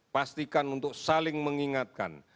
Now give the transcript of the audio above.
pastikan untuk saling mengingatkan